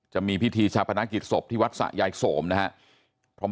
จะมีพิธีชาพนักกิจศพที่วัดสะยายโสมนะครับ